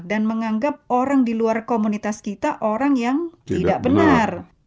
dan menganggap orang di luar komunitas kita orang yang tidak benar